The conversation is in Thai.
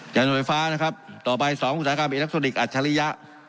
จานโดยไฟฟ้านะครับต่อไปสองสถานการณ์อินักโทรธิกส์อัจฉริยะ